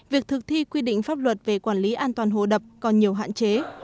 việc thực thi quy định pháp luật về quản lý an toàn hồ đập còn nhiều hạn chế